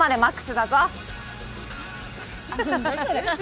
何だそれ。